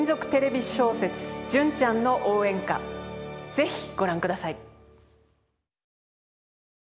是非ご覧ください！